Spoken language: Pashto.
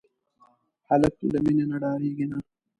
هلک له مینې نه ډاریږي نه.